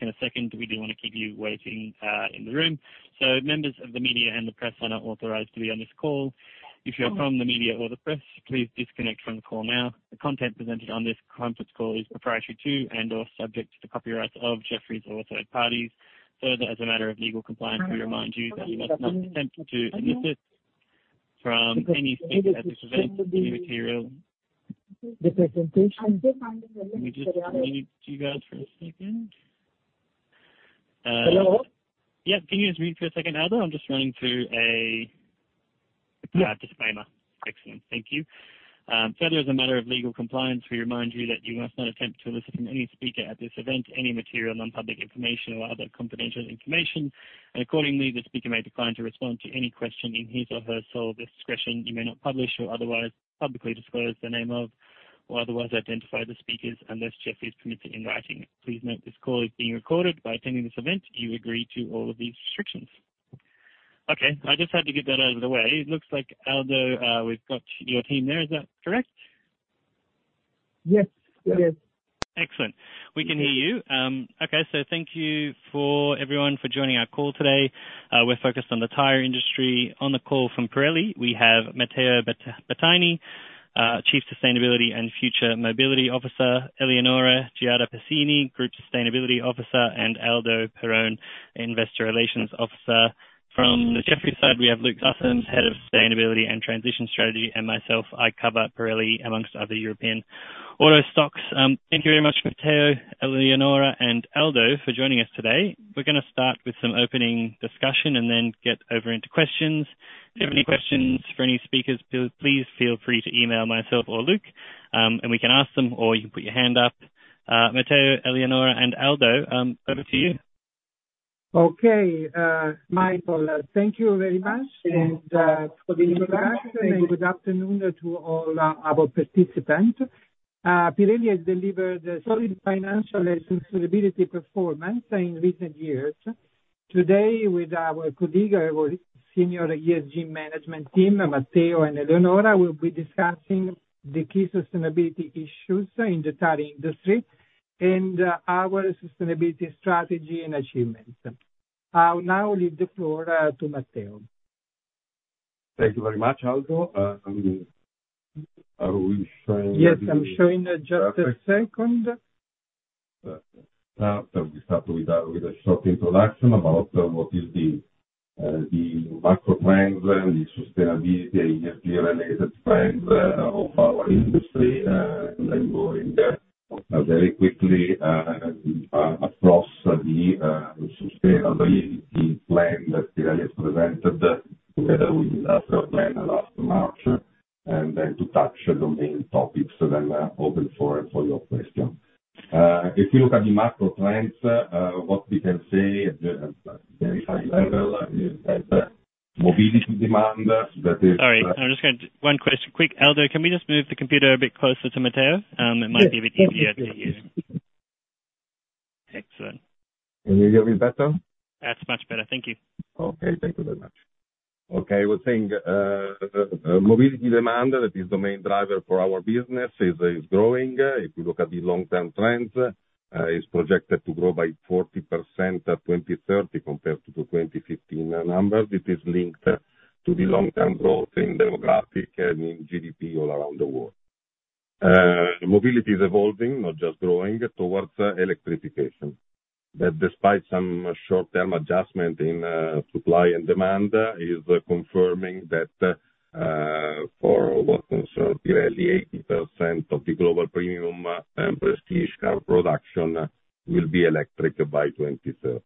In a second, we didn't wanna keep you waiting, in the room. So members of the media and the press are not authorized to be on this call. If you're from the media or the press, please disconnect from the call now. The content presented on this conference call is proprietary to and/or subject to the copyrights of Jefferies or third parties. Further, as a matter of legal compliance, we remind you that you must not attempt to elicit from any speaker at this event, any material- The presentation. Let me just mute you guys for a second. Hello? Yeah. Can you just mute for a second, Aldo? I'm just running through a- Yeah. A disclaimer. Excellent. Thank you. Further, as a matter of legal compliance, we remind you that you must not attempt to elicit from any speaker at this event any material, non-public information or other confidential information, and accordingly, the speaker may decline to respond to any question in his or her sole discretion. You may not publish or otherwise publicly disclose the name of, or otherwise identify the speakers unless Jefferies permits it in writing. Please note this call is being recorded. By attending this event, you agree to all of these restrictions. Okay, I just had to get that out of the way. It looks like Aldo, we've got your team there, is that correct? Yes. It is. Excellent. We can hear you. Okay, so thank you for everyone for joining our call today. We're focused on the tire industry. On the call from Pirelli, we have Matteo Battaini, Chief Sustainability and Future Mobility Officer, Eleonora Giada Pessina, Group Sustainability Officer, and Aldo Perrone, Investor Relations Officer. From the Jefferies side, we have Luke Sussams, Head of Sustainability and Transition Strategy, and myself, I cover Pirelli amongst other European auto stocks. Thank you very much, Matteo, Eleonora, and Aldo, for joining us today. We're gonna start with some opening discussion and then get over into questions. If you have any questions for any speakers, please feel free to email myself or Luke, and we can ask them, or you can put your hand up. Matteo, Eleonora, and Aldo, over to you. Okay. Michael, thank you very much, and for the introduction, and good afternoon to all our, our participants. Pirelli has delivered solid financial and sustainability performance in recent years. Today, with our colleague, our Senior ESG Management team, Matteo and Eleonora, will be discussing the key sustainability issues in the tire industry, and our sustainability strategy and achievements. I'll now leave the floor to Matteo. Thank you very much, Aldo. Are we showing- Yes, I'm showing. Just a second. We start with a short introduction about what is the macro trends and the sustainability ESG-related trends of our industry. Then going very quickly across the sustainability plan that Pirelli presented together with last plan last March, and then to touch on the main topics, then open floor for your question. If you look at the macro trends, what we can say at a very high level is that mobility demand, that is- Sorry, I'm just going to... One question, quick. Aldo, can we just move the computer a bit closer to Matteo? Yes. It might be a bit easier to hear you. Excellent. Can you hear me better? That's much better. Thank you. Okay, thank you very much. Okay, we're saying, mobility demand, that is the main driver for our business, is growing. If you look at the long-term trends, it's projected to grow by 40% by 2030 compared to the 2015 numbers. It is linked to the long-term growth in demographic and in GDP all around the world. Mobility is evolving, not just growing, towards electrification. That, despite some short-term adjustment in supply and demand, is confirming that, for what concern Pirelli, 80% of the global premium and prestige car production will be electric by 2030.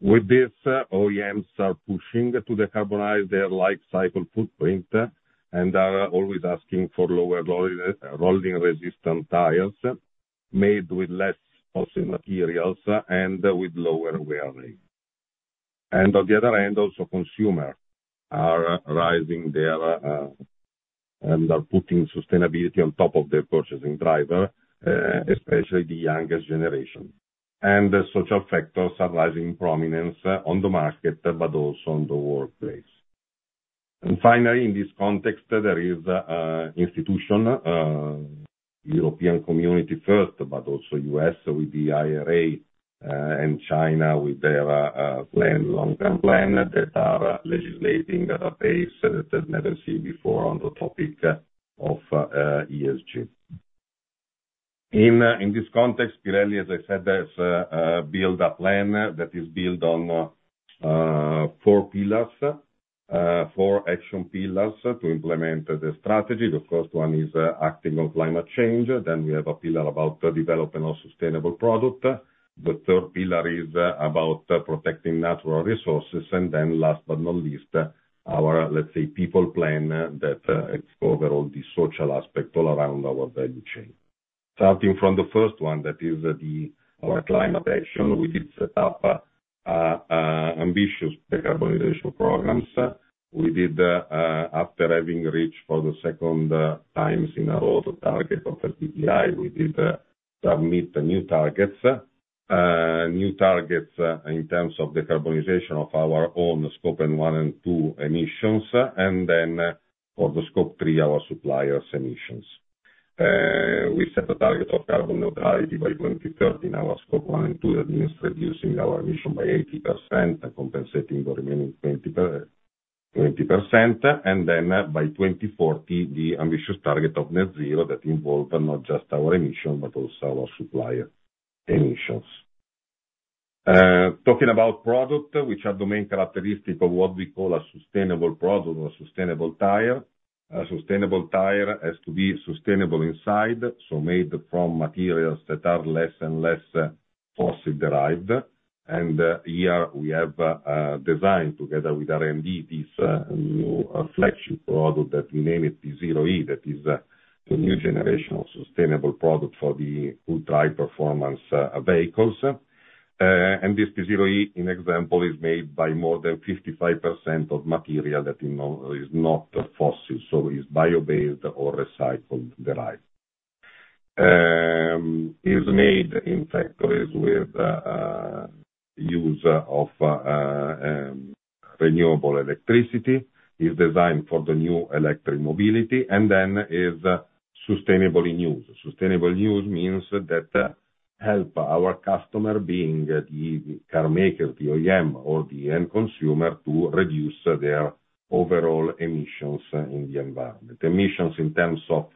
With this, OEMs are pushing to decarbonize their life cycle footprint, and are always asking for lower rolling resistance tires, made with less fossil materials, and with lower wearing. And on the other hand, also, consumers are raising their... And are putting sustainability on top of their purchasing driver, especially the youngest generation. The social factors are rising in prominence on the market, but also on the workplace. Finally, in this context, there is institution, European Community first, but also U.S. with the IRA, and China with their plan, long-term plan, that are legislating at a pace that has never seen before on the topic of ESG. In this context, Pirelli, as I said, has built a plan that is built on four pillars, four action pillars to implement the strategy. The first one is acting on climate change, then we have a pillar about developing our sustainable product. The third pillar is about protecting natural resources, and then last but not least, our, let's say, people plan that explore all the social aspect all around our value chain. Starting from the first one, that is our climate action, we did set up ambitious decarbonization programs. We did, after having reached for the second times in a row, the target of the SBTi, we did submit new targets, new targets, in terms of the decarbonization of our own Scope 1 and 2 emissions, and then for the Scope 3, our suppliers' emissions. We set a target of carbon neutrality by 2030. Now our Scope 1 and 2, that means reducing our emission by 80% and compensating the remaining 20%, and then, by 2040, the ambitious target of net zero that involve not just our emission, but also our supplier emissions. Talking about product, which are the main characteristic of what we call a sustainable product or sustainable tire. A sustainable tire has to be sustainable inside, so made from materials that are less and less fossil derived. And here we have designed together with R&D, this new flagship product that we named it P Zero E. That is the new generation of sustainable product for the ultra high performance vehicles. And this P Zero E, in example, is made by more than 55% of material that is not fossil, so is bio-based or recycled derived. is made in factories with use of renewable electricity, is designed for the new electric mobility, and then is sustainably used. Sustainable used means that help our customer, being the car maker, the OEM or the end consumer, to reduce their overall emissions in the environment. Emissions in terms of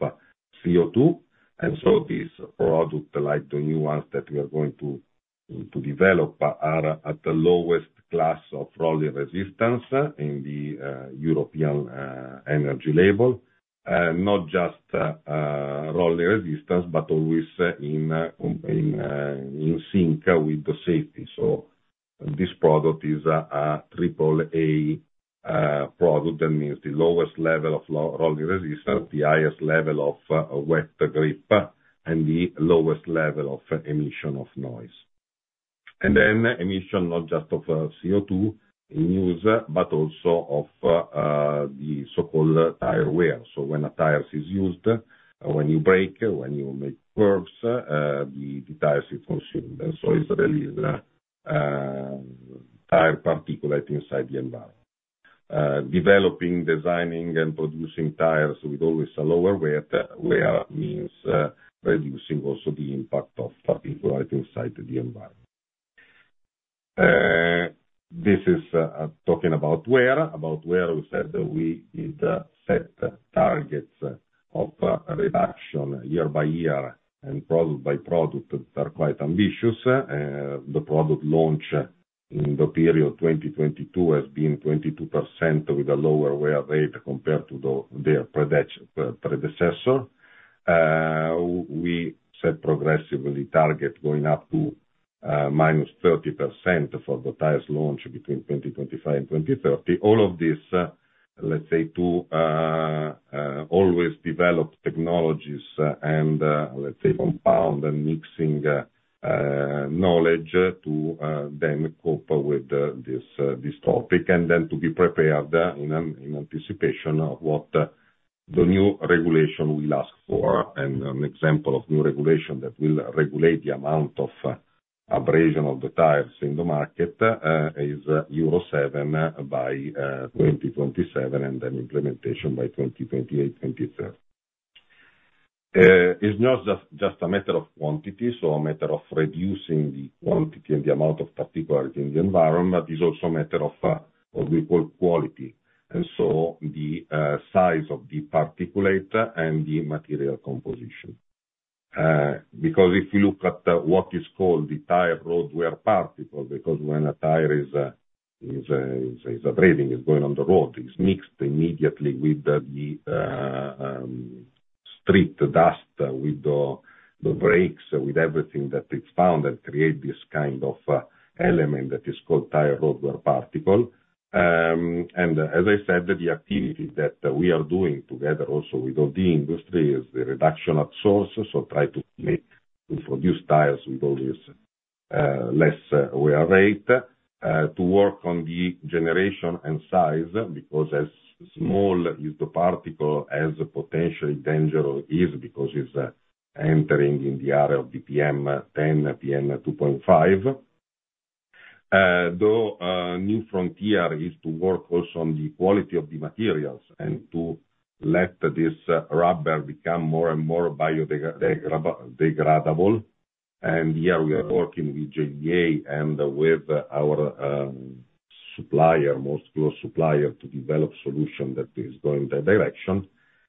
CO2, and so this product, like the new ones that we are going to develop, are at the lowest class of rolling resistance in the European energy label. Not just rolling resistance, but always in sync with the safety. So this product is a triple A product. That means the lowest level of rolling resistance, the highest level of wet grip, and the lowest level of emission of noise. Then emissions, not just of CO2 in use, but also of the so-called tire wear. So when a tire is used, when you brake, when you make curves, the tire is consumed, and so it releases tire particulate inside the environment. Developing, designing and producing tires with always a lower wear, wear means reducing also the impact of particulate inside the environment. This is talking about wear. About wear, we said we need to set targets of reduction year by year and product by product that are quite ambitious. The product launch in the period 2022 has been 22%, with a lower wear rate compared to their predecessor. We set progressively targets going up to -30% for the tires launched between 2025 and 2030. All of this, let's say, to always develop technologies and, let's say, compound and mixing knowledge to then cope with this topic, and then to be prepared in anticipation of what the new regulation will ask for. An example of new regulation that will regulate the amount of abrasion of the tires in the market is Euro 7 by 2027, and then implementation by 2028, 2030. It's not just a matter of quantity, so a matter of reducing the quantity and the amount of particulate in the environment, but it's also a matter of what we call quality, and so the size of the particulate and the material composition. Because if you look at what is called the tire and road wear particle, because when a tire is abrasion is going on the road, it's mixed immediately with the street, the dust, with the brakes, with everything that is found and create this kind of element that is called Tire and Road Wear Particle. And as I said, the activity that we are doing together also with all the industry is the reduction at source. So try to make, to produce tires with always less wear rate, to work on the generation and size, because as small as the particle, as potentially dangerous is because it's entering in the area of PM10, PM2.5. Though a new frontier is to work also on the quality of the materials, and to let this rubber become more and more biodegradable. Here we are working with JDA and with our most close supplier, to develop solution that is going that direction.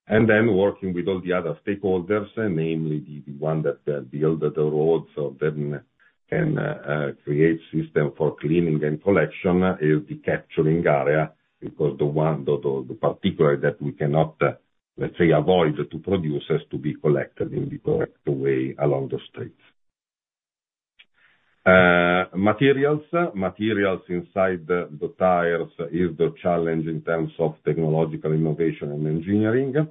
Then working with all the other stakeholders, namely the one that build the roads, so then can create system for cleaning and collection is the capturing area, because the particulate that we cannot, let's say, avoid to produce, is to be collected in the correct way along the streets. Materials. Materials inside the tires is the challenge in terms of technological innovation and engineering.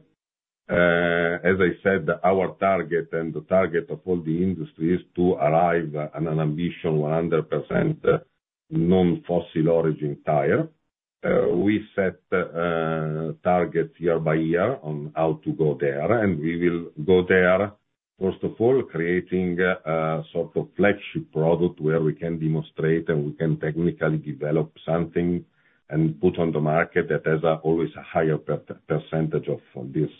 As I said, our target and the target of all the industry is to arrive at an ambitious 100% non-fossil origin tire. We set targets year by year on how to go there, and we will go there, first of all, creating sort of flagship product where we can demonstrate and we can technically develop something and put on the market that has always a higher percentage of this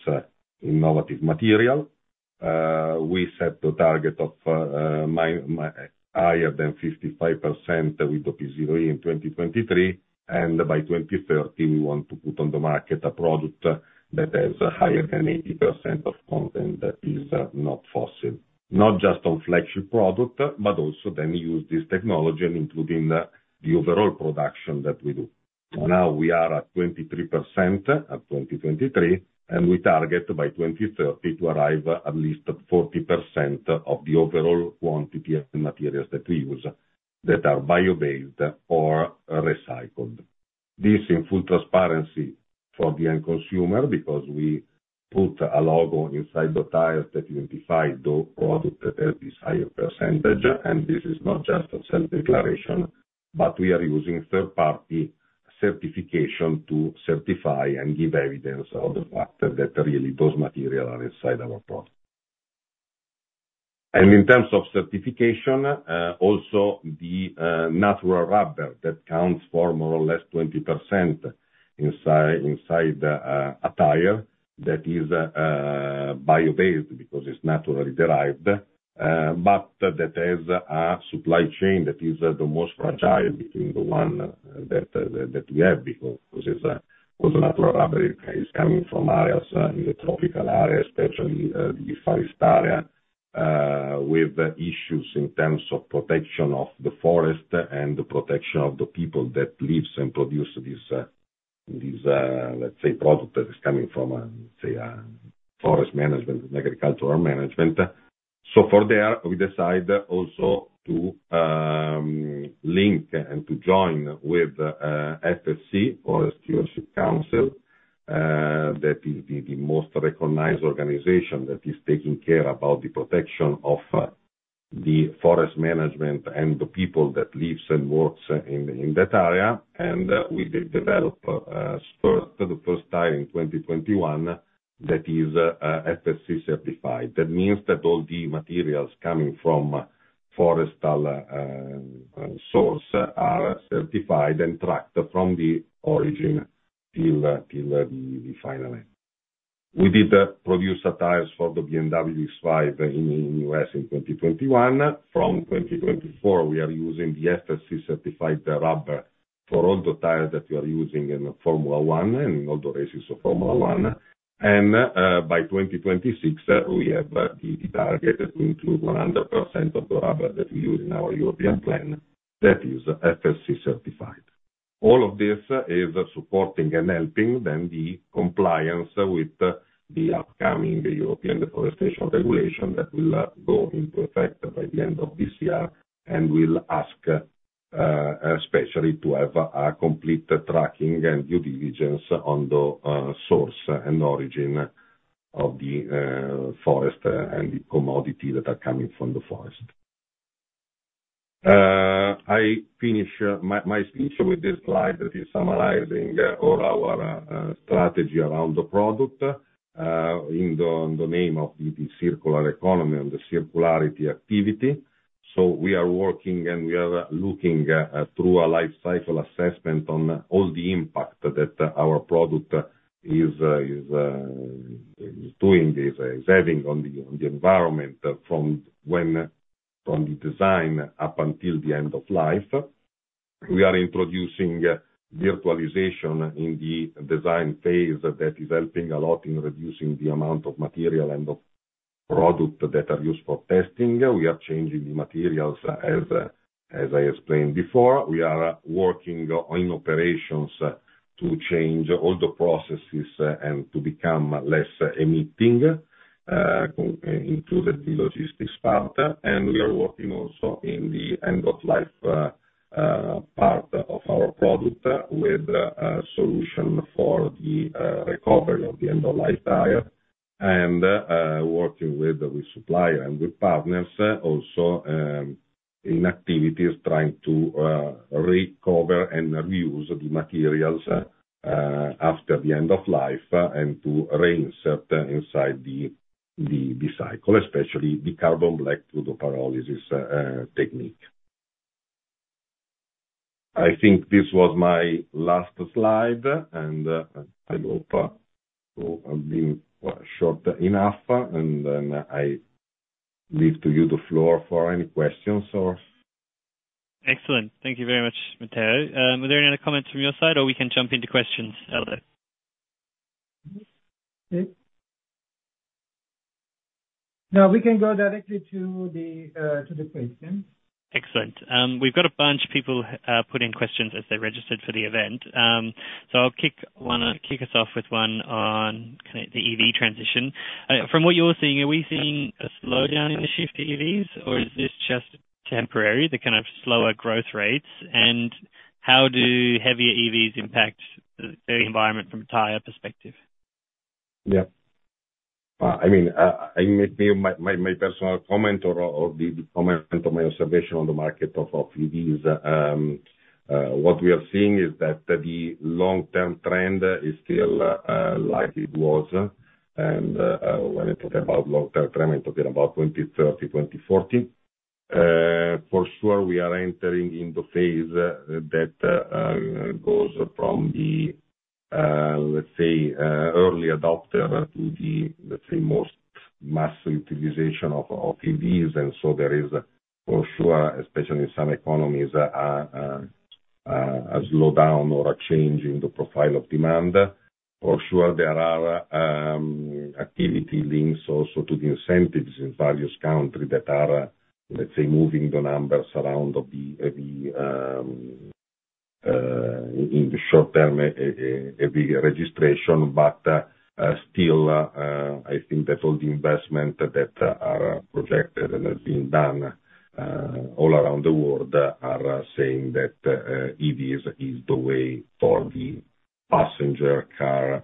innovative material. We set the target of higher than 55% with the P Zero E in 2023, and by 2030, we want to put on the market a product that has higher than 80% of content that is not fossil. Not just on flagship product, but also then use this technology and including the overall production that we do. So now we are at 23% at 2023, and we target by 2030 to arrive at least 40% of the overall quantity of the materials that we use, that are bio-based or recycled. This in full transparency for the end consumer, because we put a logo inside the tire that identify the product that has this higher percentage, and this is not just a self-declaration, but we are using third-party certification to certify and give evidence of the fact that really those material are inside our product. In terms of certification, also the natural rubber that counts for more or less 20% inside a tire that is bio-based because it's naturally derived, but that has a supply chain that is the most fragile between the one that we have, because natural rubber is coming from areas in the tropical areas, especially the Far East area, with issues in terms of protection of the forest and the protection of the people that lives and produce these, let's say, product that is coming from, say, forest management and agricultural management. So therefore, we decide also to link and to join with FSC, Forest Stewardship Council, that is the most recognized organization that is taking care about the protection of the forest management and the people that lives and works in that area. And we did develop first, for the first time in 2021, that is FSC certified. That means that all the materials coming from forest source are certified and tracked from the origin till the final end. We did produce tires for the BMW X5 in U.S. in 2021. From 2024, we are using the FSC certified rubber for all the tires that we are using in Formula One and in all the races of Formula One. By 2026, we have the target to include 100% of the rubber that we use in our European plant that is FSC certified. All of this is supporting and helping then the compliance with the upcoming European Deforestation Regulation that will go into effect by the end of this year, and will ask especially to have a complete tracking and due diligence on the source and origin of the forest and the commodity that are coming from the forest. I finish my speech with this slide that is summarizing all our strategy around the product in the name of the circular economy and the circularity activity. So we are working, and we are looking through a life cycle assessment on all the impact that our product is doing, is having on the environment, from the design up until the end of life. We are introducing virtualization in the design phase that is helping a lot in reducing the amount of material and of product that are used for testing. We are changing the materials, as I explained before. We are working on operations to change all the processes, and to become less emitting, including the logistics part. And we are working also in the end of life, part of our product with a solution for the, recovery of the end of life tire, and, working with the supplier and with partners also, in activities, trying to, recover and reuse the materials, after the end of life, and to reinsert inside the cycle, especially the carbon black through the pyrolysis, technique. I think this was my last slide, and I hope I've been short enough, and then I leave to you the floor for any questions or? Excellent. Thank you very much, Matteo. Were there any other comments from your side, or we can jump into questions, Aldo? No, we can go directly to the questions. Excellent. We've got a bunch of people put in questions as they registered for the event. So I'll kick us off with one on kind of the EV transition. From what you're seeing, are we seeing a slowdown in the shift to EVs, or is this just temporary, the kind of slower growth rates? And how do heavier EVs impact the environment from a tire perspective? Yeah. I mean, maybe my personal comment or the comment of my observation on the market of EVs, what we are seeing is that the long-term trend is still like it was. And when I talk about long-term trend, I'm talking about 2030, 2040. For sure, we are entering in the phase that goes from the, let's say, early adopter to the, let's say, most mass utilization of EVs. And so there is for sure, especially in some economies, a slowdown or a change in the profile of demand. For sure there are activity links also to the incentives in various country that are, let's say, moving the numbers around of the in the short term every registration, but still I think that all the investment that are projected and are being done all around the world are saying that EVs is the way for the passenger car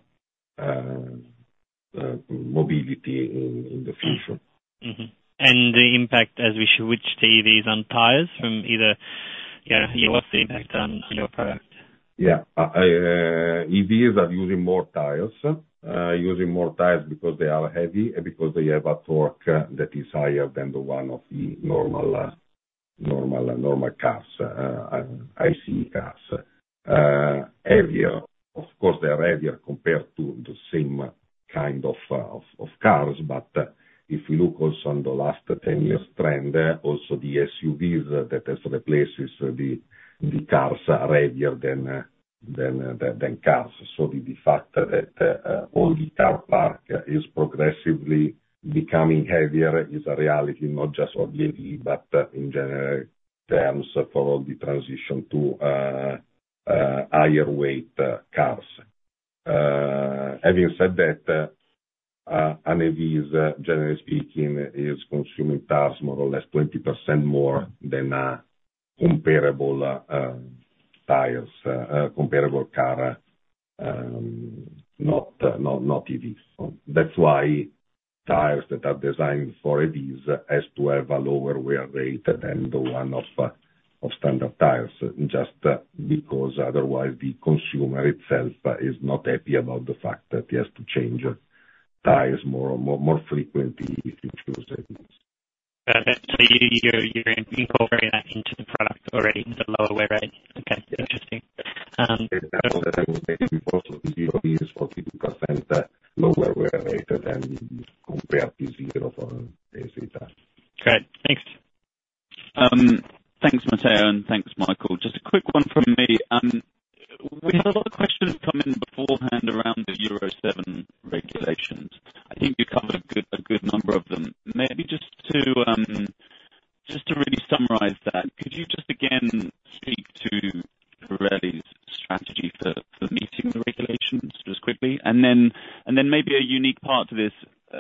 mobility in the future. Mm-hmm. And the impact as we switch to EVs on tires from either, yeah, what's the impact on your product? Yeah. EVs are using more tires, using more tires because they are heavy and because they have a torque that is higher than the one of the normal, normal cars, IC cars. Heavier—Of course, they are heavier compared to the same kind of, of, of cars, but if you look also on the last 10 years trend, also the SUVs that has replaced the, the cars are heavier than, than, than cars. So the fact that, all the car park is progressively becoming heavier is a reality, not just of the EV, but in general terms for all the transition to, higher weight, cars. Having said that, an EV is, generally speaking, is consuming tires more or less 20% more than a comparable tires, comparable car, not, not, not EV. So that's why tires that are designed for EVs has to have a lower wear rate than the one of standard tires, just because otherwise the consumer itself is not happy about the fact that he has to change tires more frequently if you choose EVs. But so you, you're incorporating that into the product already, the lower wear rate? Okay, interesting. Before, so the EV is 42% lower wear rate than compared to P Zero E for basic tires. Great. Thanks. Thanks, Matteo, and thanks, Michael. Just a quick one from me. We had a lot of questions come in beforehand around the Euro 7 regulations. I think you covered a good, a good number of them. Maybe just to, just to really summarize that, could you just again speak to Pirelli's strategy for, for meeting the regulations just quickly? And then, and then maybe a unique part to this,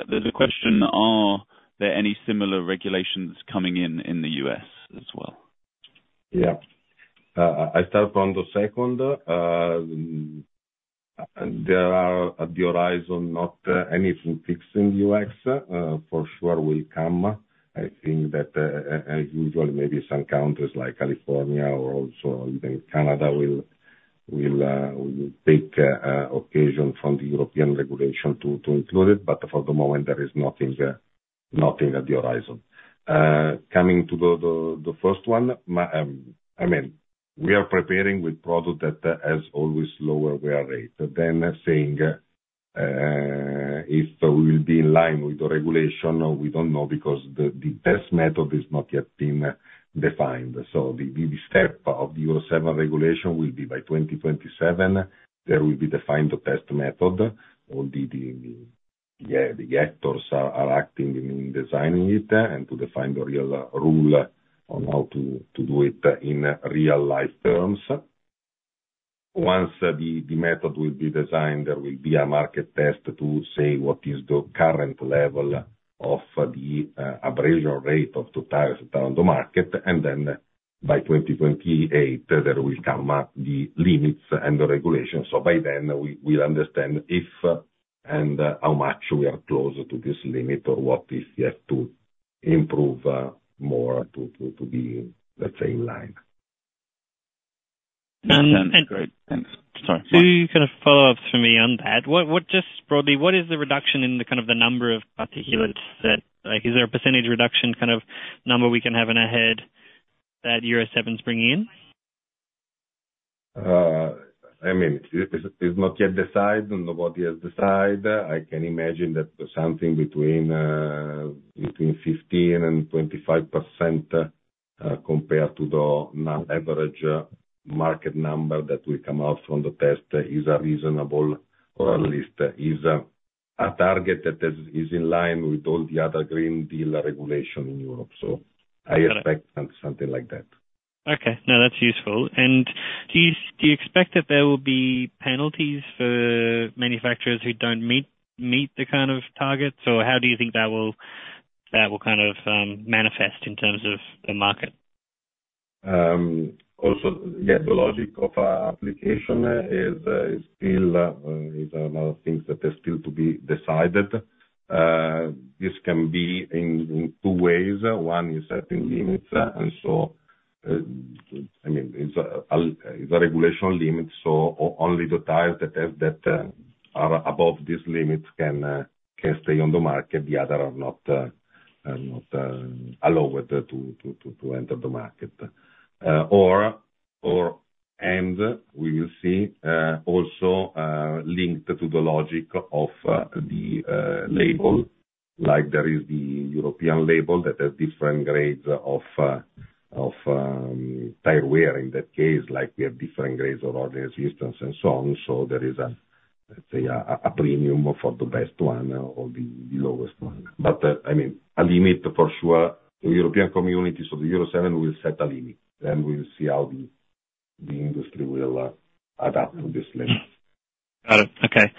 there's a question: Are there any similar regulations coming in, in the U.S. as well? Yeah. I start from the second. There are on the horizon, not anything fixed in U.S. For sure will come. I think that, as usual, maybe some countries like California or also even Canada, will take occasion from the European regulation to include it, but for the moment there is nothing there, nothing on the horizon. Coming to the first one, I mean, we are preparing with product that has always lower wear rate than standard, if we will be in line with the regulation, we don't know, because the test method is not yet been defined. So the step of the Euro 7 regulation will be by 2027, there will be defined the test method. All the actors are acting in designing it and to define the real rule on how to do it in real life terms. Once the method will be designed, there will be a market test to say what is the current level of the abrasion rate of the tires on the market, and then by 2028, there will come up the limits and the regulations. So by then we'll understand if and how much we are closer to this limit or what we still have to improve more to be, let's say, in line. Um, and- Great. Sorry. Two kind of follow-ups for me on that. What, what just broadly, what is the reduction in the kind of the number of particulates that... Like, is there a percentage reduction kind of number we can have in our head that Euro 7 is bringing in? I mean, it is, it's not yet decided, and nobody has decided. I can imagine that something between 15% and 25% compared to the non-average market number that will come out from the test is a reasonable, or at least is a target that is in line with all the other Green Deal regulation in Europe. So I expect- Got it. something like that. Okay. No, that's useful. Do you expect that there will be penalties for manufacturers who don't meet the kind of targets? Or how do you think that will kind of manifest in terms of the market? Also the logic of application is still a lot of things that are still to be decided. This can be in two ways. One is setting limits, and so, I mean, it's a regulation limit, so only the tires that have that are above this limit can stay on the market, the other are not allowed to enter the market. Or -- and we will see also linked to the logic of the label, like there is the European label that has different grades of tire wear in that case, like we have different grades of rolling resistance and so on. So there is, let's say, a premium for the best one or the lowest one. But, I mean, a limit for sure, the European Community, so the Euro 7 will set a limit, then we'll see how the industry will adapt to this limit. Got it. Okay.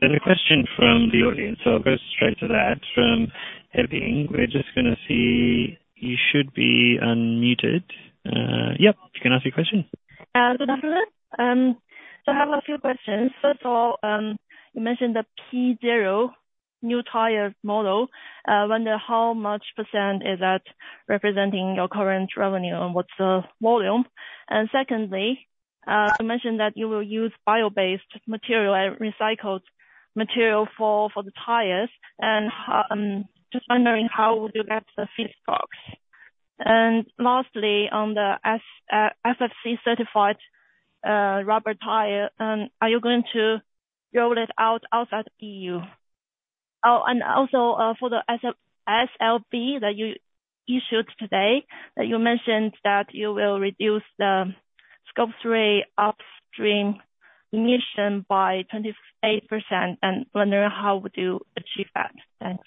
There's a question from the audience, so I'll go straight to that, from [Ebbing]. We're just gonna see... You should be unmuted. Yep, you can ask your question. Good afternoon. So I have a few questions. First of all, you mentioned the P Zero new tire model. I wonder how much percent is that representing your current revenue, and what's the volume? And secondly, you mentioned that you will use bio-based material and recycled material for the tires, and just wondering how would you get the FSC? And lastly, on the FSC certified rubber tire, are you going to roll it out outside the EU? Oh, and also, for the SLB that you issued today, that you mentioned that you will reduce the Scope 3 upstream emission by 28%, and wondering how would you achieve that? Thanks.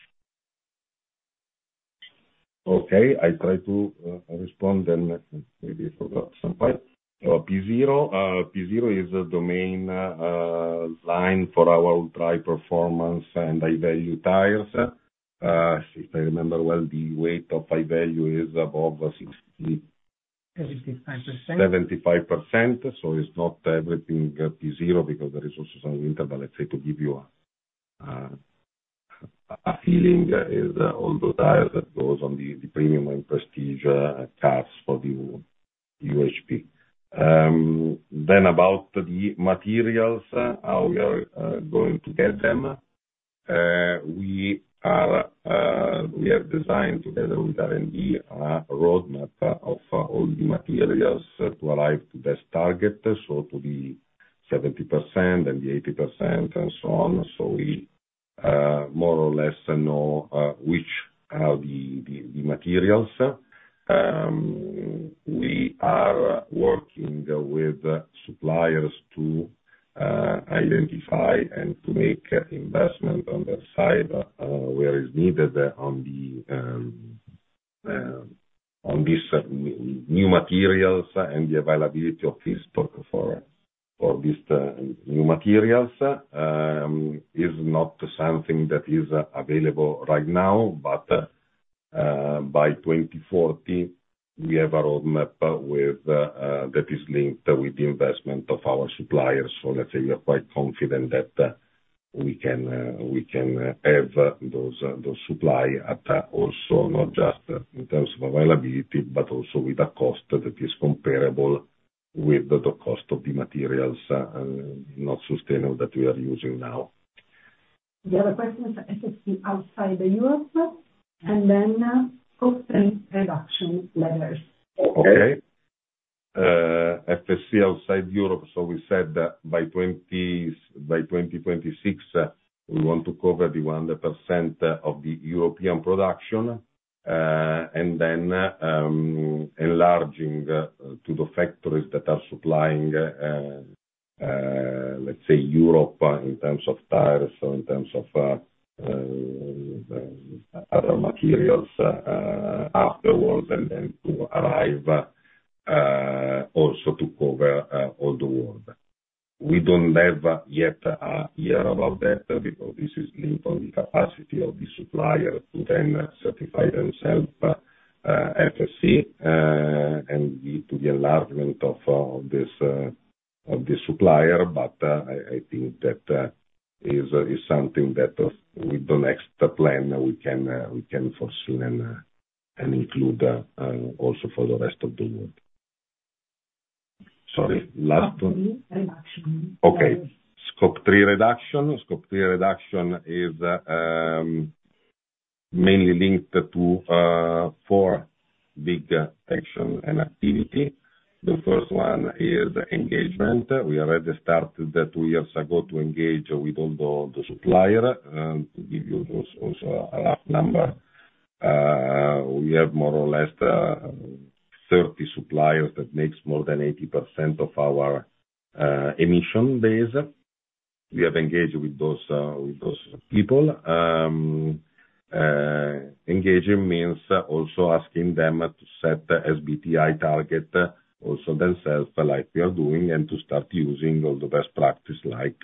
Okay. I try to respond, then maybe I forgot some part. So P Zero is the main line for our dry performance and high value tires. If I remember well, the weight of high value is above 75%. 75%. So it's not everything at P Zero, because there is also some winter, but let's say to give you a feeling, is all the tires that goes on the premium and prestige cars for the UHP. Then about the materials, how we are going to get them, we have designed together with R&D, a roadmap of all the materials to arrive to this target, so to the 70% and the 80%, and so on. So we more or less know which are the materials. We are working with suppliers to identify and to make investment on their side where is needed on the on this new materials and the availability of this stock for this new materials. Is not something that is available right now, but by 2040, we have a roadmap with that is linked with the investment of our suppliers. So let's say we are quite confident that we can have those supply at also not just in terms of availability, but also with a cost that is comparable with the cost of the materials not sustainable that we are using now. The other question is FSC outside the Europe, and then scope three reduction levels. Okay. FSC outside Europe, so we said that by 2026, we want to cover 100% of the European production, and then, enlarging to the factories that are supplying, let's say Europe in terms of tires or in terms of other materials, afterwards, and then to arrive also to cover all the world. We don't have yet a year about that, because this is linked on the capacity of the supplier to then certify themselves FSC, and the, to the enlargement of, of this, of this supplier. But, I, I think that, is, is something that, with the next plan we can, we can foresee and, and include also for the rest of the world. Sorry, last one? Scope 3 reduction. Okay. Scope 3 reduction. Scope 3 reduction is mainly linked to four big action and activity. The first one is engagement. We already started that two years ago to engage with all the supplier. And to give you those, also a rough number, we have more or less 30 suppliers that makes more than 80% of our emission base. We have engaged with those with those people. Engaging means also asking them to set the SBTi target also themselves, like we are doing, and to start using all the best practice, like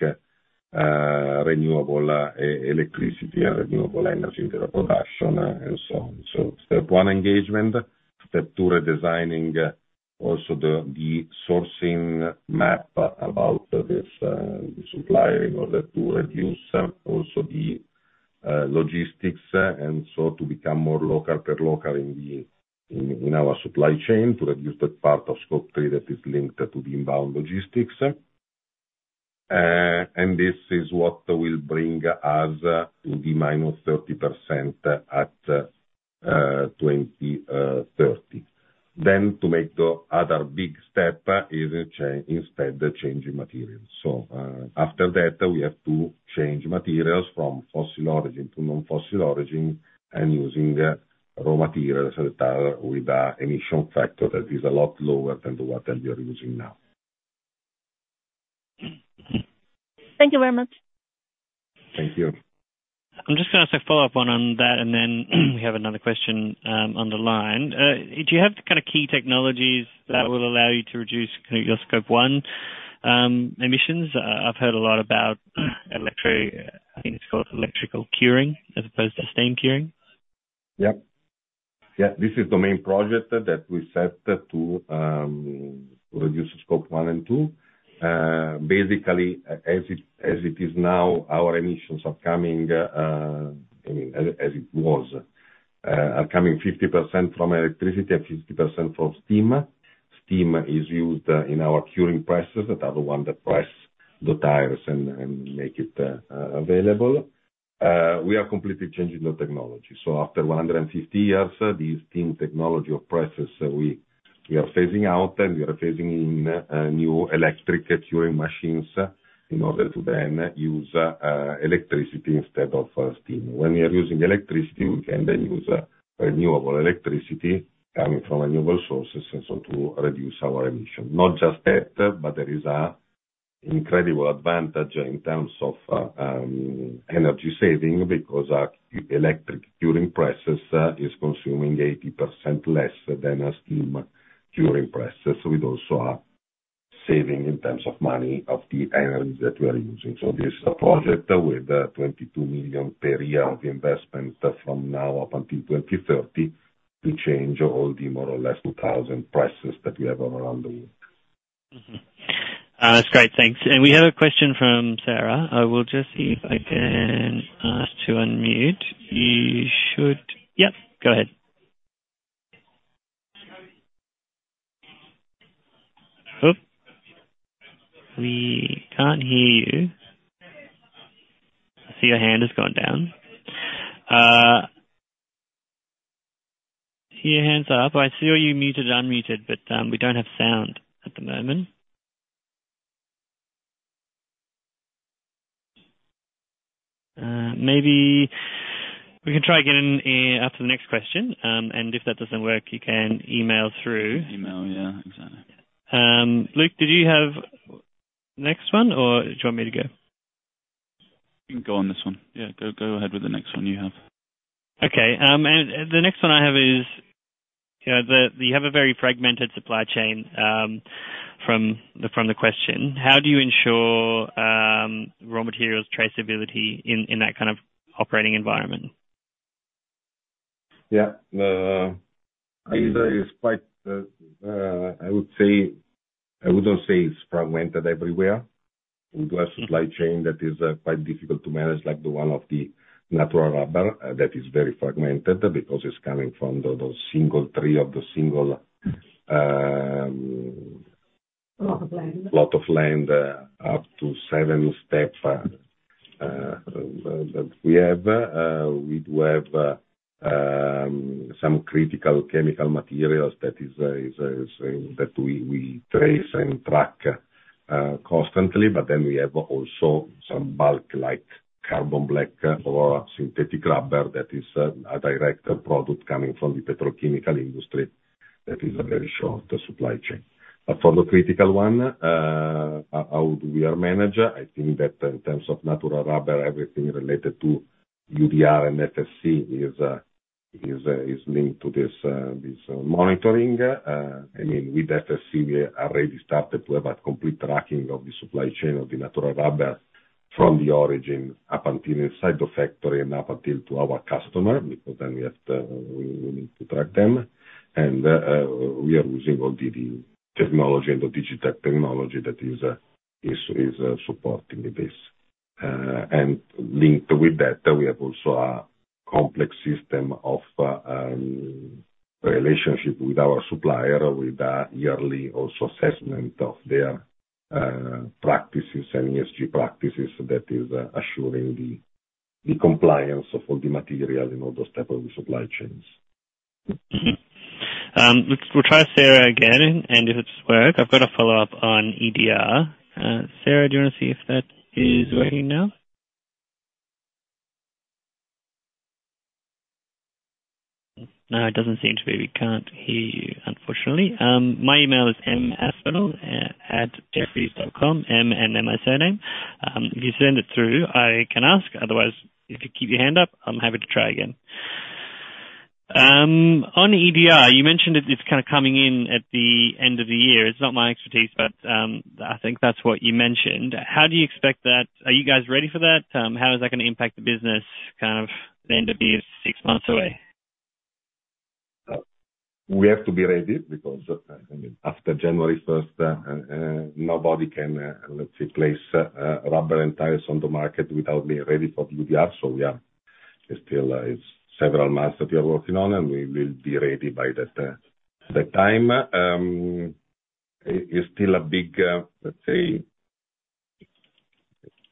renewable electricity and renewable energy to the production and so on. So step one, engagement. Step two, redesigning also the sourcing map about this, the supplier in order to reduce also the logistics, and so to become more local per local in our supply chain, to reduce the part of Scope 3 that is linked to the inbound logistics. And this is what will bring us to the minus 30% at 2030. Then to make the other big step is instead the changing materials. So, after that, we have to change materials from fossil origin to non-fossil origin, and using raw materials that are with the emission factor that is a lot lower than the ones that we are using now. Thank you very much. Thank you. I'm just gonna ask a follow-up on that, and then we have another question on the line. Do you have the kind of key technologies that will allow you to reduce kind of your Scope 1 emissions? I've heard a lot about electric... I think it's called electric curing, as opposed to steam curing. Yep. Yeah, this is the main project that we set to reduce Scope 1 and 2. Basically, as it is now, our emissions are coming, I mean, 50% from electricity and 50% from steam. Steam is used in our curing processes, that are the one that press the tires and make it available. We are completely changing the technology. So after 150 years, these steam technology of presses, we are phasing out, and we are phasing in new electric curing machines, in order to then use electricity instead of steam. When we are using electricity, we can then use renewable electricity coming from renewable sources, and so to reduce our emission. Not just that, but there is an incredible advantage in terms of energy saving, because our electric curing presses is consuming 80% less than a steam curing presses. So we'd also are saving in terms of money, of the energy that we are using. So this is a project with 22 million per year of investment from now up until 2030, to change all the more or less 2,000 presses that we have around the world. Mm-hmm. That's great, thanks. We have a question from Sarah. I will just see if I can ask to unmute. You should... Yep, go ahead. Oop, we can't hear you. I see your hand has gone down. See your hand's up. I see where you muted, unmuted, but we don't have sound at the moment. Maybe we can try again, eh, after the next question, and if that doesn't work, you can email through. Email, yeah, exactly. Luke, did you have next one, or do you want me to go? You can go on this one. Yeah, go, go ahead with the next one you have. Okay, and the next one I have is, you know, you have a very fragmented supply chain from the question. How do you ensure raw materials traceability in that kind of operating environment? Yeah. It is quite, I would say... I wouldn't say it's fragmented everywhere. We do have a supply chain that is quite difficult to manage, like the one of the natural rubber, that is very fragmented, because it's coming from the single tree of the single, Lot of land. Lots of land up to seven steps that we have. We do have some critical chemical materials that is saying that we trace and track constantly, but then we have also some bulk, like carbon black or synthetic rubber that is a direct product coming from the petrochemical industry. That is a very short supply chain. But for the critical one, how do we manage? I think that in terms of natural rubber, everything related to EUDR and FSC is linked to this monitoring. I mean, with FSC, we already started to have a complete tracking of the supply chain of the natural rubber from the origin up until inside the factory, and up until to our customer, because then we have to, we need to track them. We are using all the technology and the digital technology that is supporting this. And linked with that, we have also a complex system of relationship with our supplier, with a yearly also assessment of their practices and ESG practices that is assuring the compliance of all the materials and all those type of supply chains. Mm-hmm. Luke, we'll try Sarah again, and if it works, I've got a follow-up on EUDR. Sarah, do you wanna see if that is working now? No, it doesn't seem to be. We can't hear you, unfortunately. My email is Maspinall@jefferies.com, M and and my surname. If you send it through, I can ask; otherwise, if you keep your hand up, I'm happy to try again. On EUDR, you mentioned that it's kind of coming in at the end of the year. It's not my expertise, but I think that's what you mentioned. How do you expect that? Are you guys ready for that? How is that gonna impact the business kind of at the end of the year, six months away? We have to be ready because, I mean, after January `1st, nobody can, let's say, place rubber and tires on the market without being ready for the EUDR. So, yeah, it's still, it's several months that we are working on, and we will be ready by that, the time. It's still a big, let's say,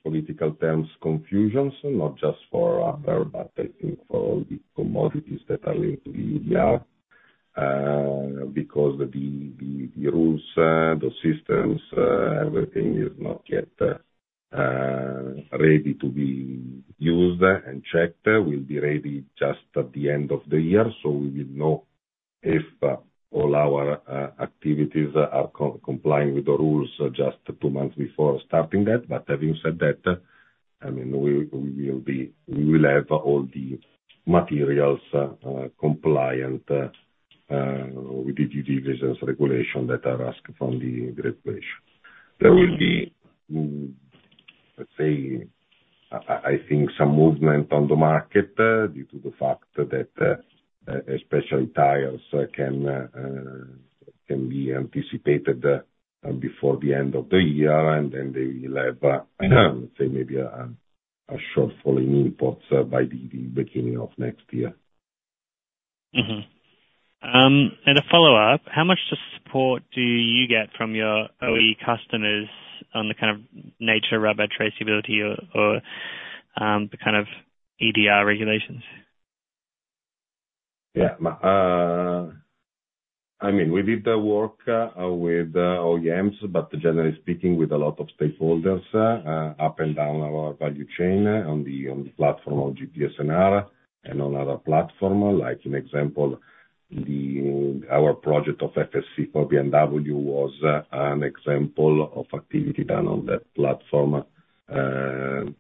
political terms, confusions, not just for us, but I think for all the commodities that are linked to the EUDR. Because the rules, the systems, everything is not yet ready to be used and checked. We'll be ready just at the end of the year, so we will know if all our activities are complying with the rules just two months before starting that. But having said that, I mean, we, we will be... We will have all the materials compliant with the due diligence regulation that are asked from the regulation. There will be, let's say, I think some movement on the market due to the fact that especially tires can be anticipated before the end of the year, and then they will have, say, maybe a shortfall in imports by the beginning of next year. Mm-hmm. A follow-up: How much support do you get from your OE customers on the kind of natural rubber traceability or the kind of EUDR regulations? Yeah. I mean, we did the work with OEMs, but generally speaking, with a lot of stakeholders up and down our value chain on the platform of GPSNR, and on other platform, like an example, our project of FSC for BMW was an example of activity done on that platform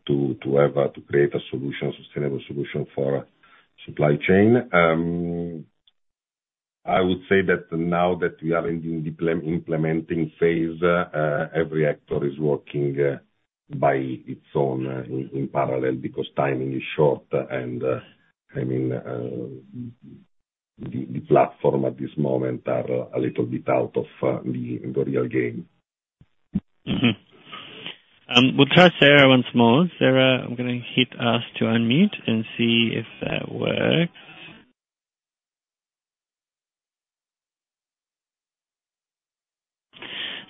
to create a sustainable solution for supply chain. I would say that now that we are in the implementing phase, every actor is working by its own in parallel, because timing is short, and I mean, the platform at this moment are a little bit out of the real game. Mm-hmm. We'll try Sarah once more. Sarah, I'm gonna hit ask to unmute and see if that works.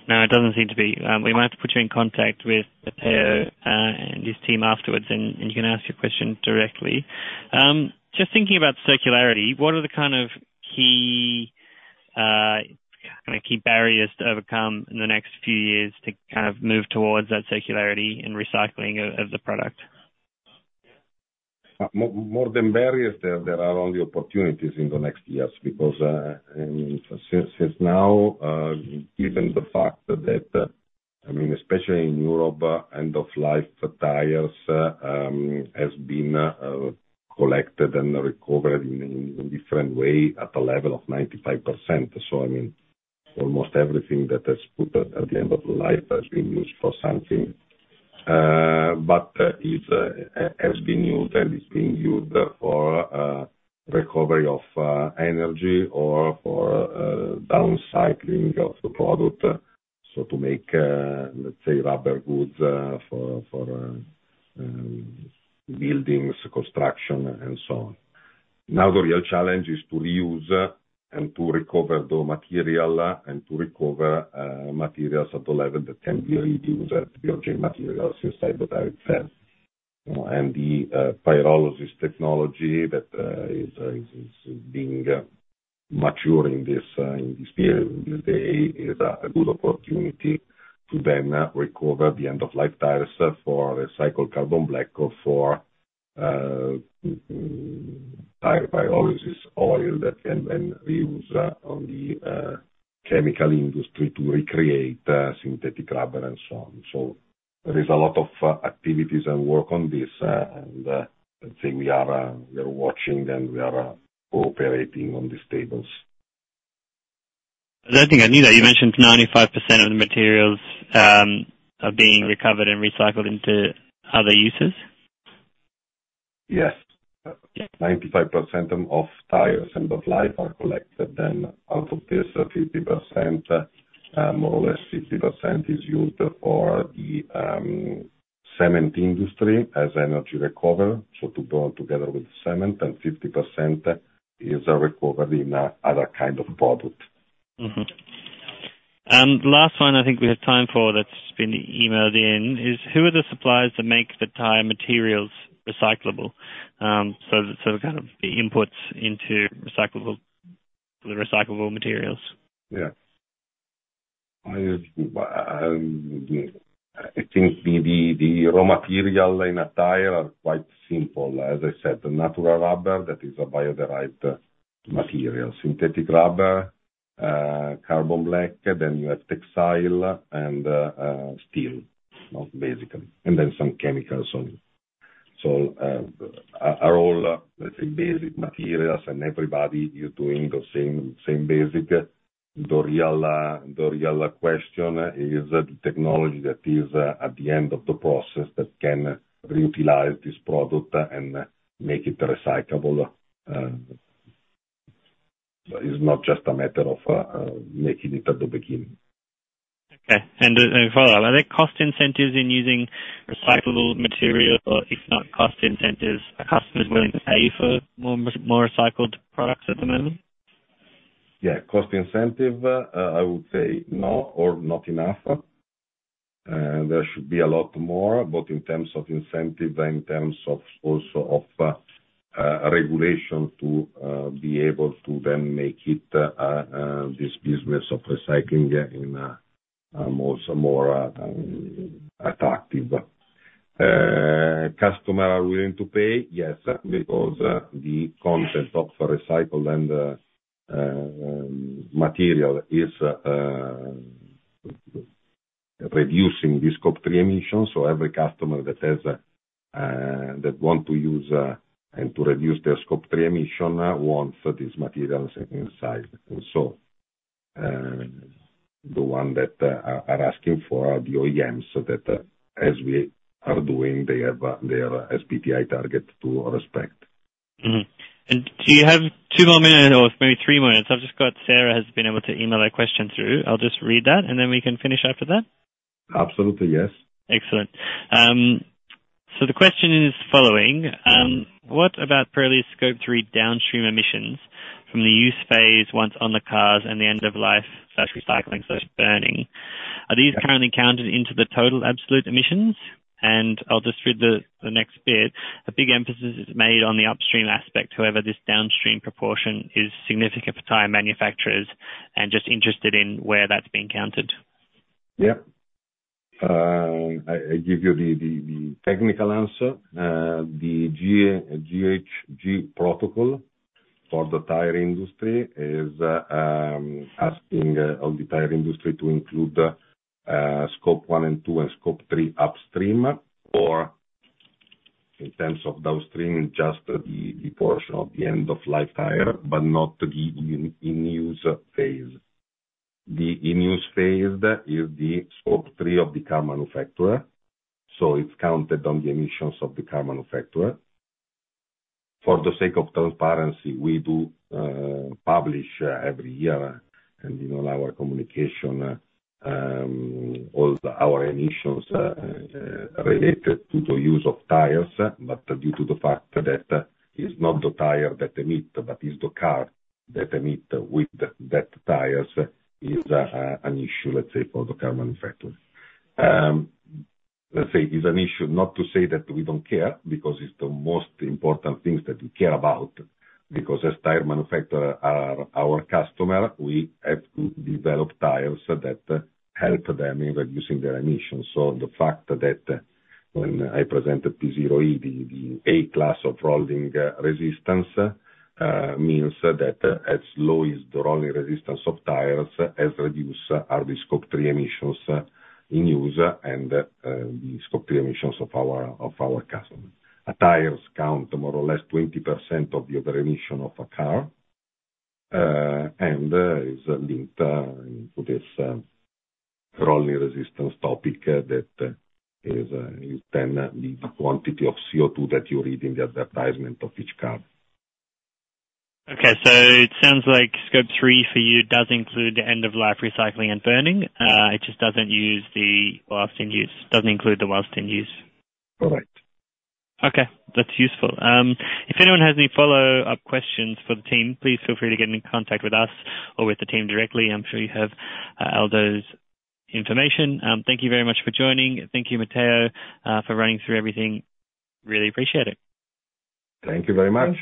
No, it doesn't seem to be. We might have to put you in contact with Matteo and his team afterwards, and you can ask your question directly. Just thinking about circularity, what are the kind of key... kinda key barriers to overcome in the next few years to kind of move towards that circularity and recycling of the product? More than barriers, there are only opportunities in the next years because, since now, given the fact that, I mean, especially in Europe, end-of-life tires has been collected and recovered in different way at a level of 95%. So, I mean, almost everything that is put at the end of the life has been used for something. But, it has been used and is being used for recovery of energy or for downcycling of the product. So to make, let's say, rubber goods, for buildings, construction, and so on. Now, the real challenge is to reuse and to recover the material, and to recover materials at the level that can be reused as bio chain materials inside the tire itself. You know, and the pyrolysis technology that is being mature in this period, this day, is a good opportunity to then recover the end-of-life tires for recycled carbon black or for tire pyrolysis oil that can then reuse on the chemical industry to recreate synthetic rubber and so on. So there is a lot of activities and work on this, and I think we are watching them, we are cooperating on these tables. I don't think I knew that you mentioned 95% of the materials are being recovered and recycled into other uses? Yes. Yeah. 95% of tires, end of life, are collected, then out of this, 50%, more or less 50% is used for the cement industry as energy recovery, so to burn together with cement, and 50% is recovered in another kind of product. Mm-hmm. And last one I think we have time for, that's been emailed in is: Who are the suppliers that make the tire materials recyclable? So the kind of the inputs into recyclable, the recyclable materials. Yeah. I think the raw material in a tire are quite simple. As I said, natural rubber, that is a bio-derived material. Synthetic rubber, carbon black, then you have textile and steel, basically, and then some chemicals on it. So, are all, let's say, basic materials and everybody is doing the same basic. The real question is the technology that is at the end of the process that can reutilize this product and make it recyclable. It's not just a matter of making it at the beginning. Okay. And follow-up, are there cost incentives in using recyclable material, or if not cost incentives, are customers willing to pay for more recycled products at the moment? Yeah. Cost incentive, I would say no or not enough. There should be a lot more, both in terms of incentive and in terms of also of regulation to be able to then make it this business of recycling in also more attractive. Customer are willing to pay? Yes, because the concept of recycled and material is reducing the Scope 3 emissions. So every customer that has that want to use and to reduce their Scope 3 emission, wants these materials inside. And so the one that are asking for the OEMs, so that as we are doing, they have their SBTi target to respect. Mm-hmm. And do you have 2 more minutes or maybe 3 more minutes? I've just got Sarah has been able to email a question through. I'll just read that, and then we can finish after that. Absolutely, yes. Excellent. So the question is the following: What about Pirelli Scope 3 downstream emissions from the use phase once on the cars and the end of life/recycling/burning? Are these currently counted into the total absolute emissions? And I'll just read the, the next bit. A big emphasis is made on the upstream aspect, however, this downstream proportion is significant for tire manufacturers, and just interested in where that's being counted. Yeah. I give you the technical answer. The GHG Protocol for the tire industry is asking Scope 1 and 2 and Scope 3 upstream, or in terms of downstream, just the portion of the end-of-life tire, but not the in-use phase. The in-use phase is the Scope 3 of the car manufacturer, so it's counted on the emissions of the car manufacturer. For the sake of transparency, we do publish every year, and in all our communication, all our emissions related to the use of tires. But due to the fact that it's not the tire that emit, but it's the car that emit with that tires, is an issue, let's say, for the car manufacturer. Let's say it's an issue, not to say that we don't care, because it's the most important things that we care about. Because as tire manufacturer, our customer, we have to develop tires that help them in reducing their emissions. So the fact that when I presented P Zero E, the A-class of rolling resistance means that as low as the rolling resistance of tires, as reduce are the Scope 3 emissions in use and the Scope 3 emissions of our customer. Our tires count more or less 20% of the other emission of a car, and is linked to this rolling resistance topic that is ten the quantity of CO2 that you read in the advertisement of each car. Okay. So it sounds like Scope 3 for you does include the end-of-life recycling and burning. Yeah. It just doesn't include the whilst in use. Correct. Okay, that's useful. If anyone has any follow-up questions for the team, please feel free to get in contact with us or with the team directly. I'm sure you have Aldo's information. Thank you very much for joining. Thank you, Matteo, for running through everything. Really appreciate it. Thank you very much.